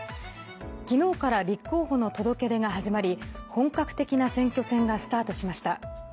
昨日から立候補の届け出が始まり本格的な選挙戦がスタートしました。